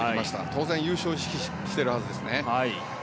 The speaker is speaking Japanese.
当然、優勝を意識しているはずです。